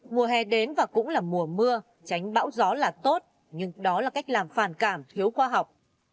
mùa hè đến và cũng là mùa mưa tránh bão gió là tốt nhưng đó là cách làm phản cảm thiếu khoa học